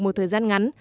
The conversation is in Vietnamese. một thời gian ngắn